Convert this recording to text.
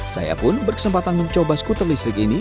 saya pun berkesempatan mencoba skuter listrik ini